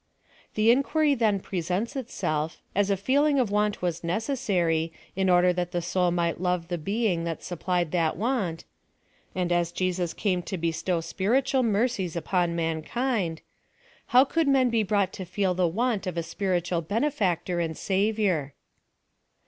The inquiry then presents itself, as a feeling of want was necessary, in order that the soul might love the being that supplied that want — and as Jesus came to bestow spiritual mercies upon man kind — Hoiv could men be broiigJtt to feci the want of a splrilual Benefactor and Savior